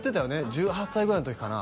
１８歳ぐらいの時かな